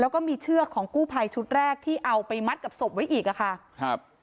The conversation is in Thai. แล้วก็มีเชือกของกู้ภัยชุดแรกที่เอาไปมัดกับศพไว้อีกอ่ะค่ะครับ